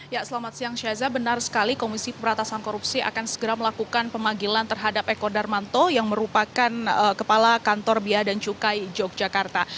ya selamat siang syaza benar sekali komisi pembatasan korupsi akan segera melakukan pemanggilan terhadap eko darmanto yang merupakan kepala kantor bia dan cukai yogyakarta